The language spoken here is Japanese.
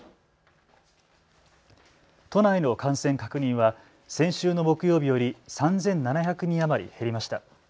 都内の感染確認は先週の木曜日より３７００人余り減りました。